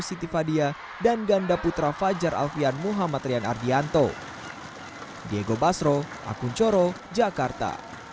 siti fadia dan ganda putra fajar alfian muhammad rian ardianto diego basro akun coro jakarta